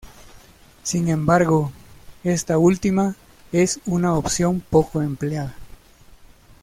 Sin embargo, esta última es una opción poco empleada.